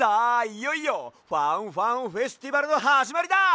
いよいよファンファンフェスティバルのはじまりだ！